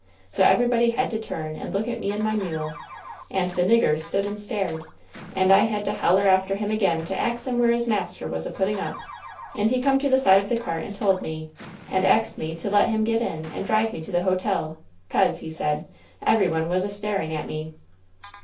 So everybody had to turn and look at me ^ and my mule. And the ui^er stood and stared. And I had to holler after Tiim again to ax him where his master was a putting up. And he come to the side of the cart and told me, and axed me to let him get in and drive me to the hotel, 'cause, he said, every one was a staring at me."